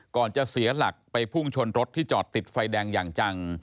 จะเสียหลักไปพุ่งชนรถที่จอดติดไฟแดงอย่างจัง